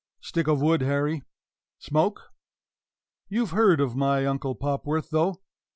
Stick of wood, Harry. Smoke? You've heard of my Uncle Popworth, though.